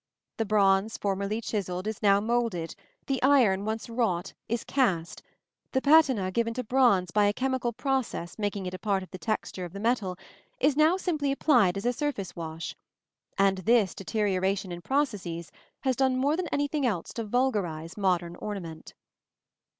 The bronze formerly chiselled is now moulded; the iron once wrought is cast; the patina given to bronze by a chemical process making it a part of the texture of the metal is now simply applied as a surface wash; and this deterioration in processes has done more than anything else to vulgarize modern ornament.